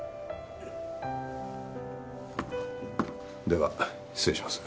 では失礼します。